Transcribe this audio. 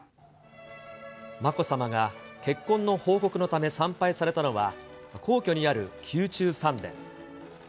まこさまが結婚の報告のため参拝されたのは、皇居にある宮中三殿。